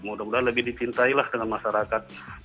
mudah mudahan lebih dicintai lah dengan masyarakat